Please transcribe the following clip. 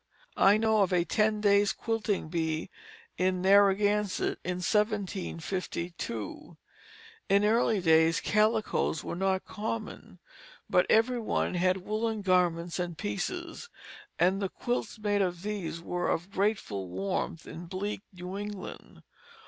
I know of a ten days' quilting bee in Narragansett in 1752. In early days calicoes were not common, but every one had woollen garments and pieces, and the quilts made of these were of grateful warmth in bleak New England.